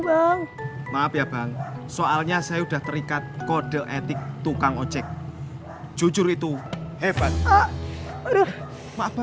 bang maaf ya bang soalnya saya udah terikat kode etik tukang ojek jujur itu hebat udah maaf bang